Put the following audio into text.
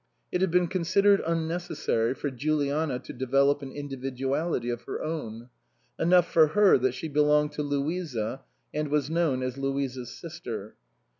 It had been considered unnecessary for Juliana to develop an individuality of her own ; enough for her that she belonged to Louisa, and was known as Louisa's sister.